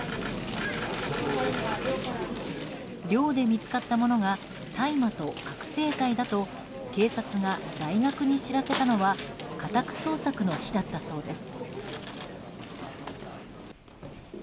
寮で見つかったものが大麻と覚醒剤だと警察が大学に知らせたのは家宅捜索の日だったそうです。